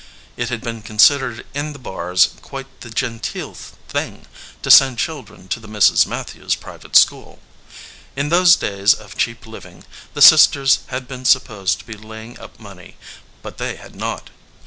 It had been considered in the Barrs quite the genteel thing to send children to the Misses Matthews private school. In those days of cheap living the sisters had been supposed to be laying up money, but they had not.